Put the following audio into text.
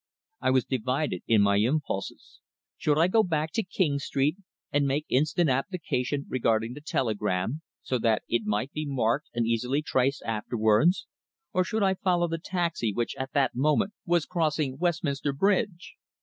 I was divided in my impulses. Should I go back to King Street and make instant application regarding the telegram, so that it might be marked and easily traced afterwards, or should I follow the taxi which at that moment was crossing Westminster Bridge?